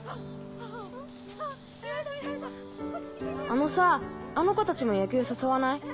あのさあのコたちも野球誘わない？